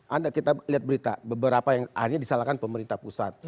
anda kita lihat berita beberapa yang akhirnya disalahkan pemerintah pusat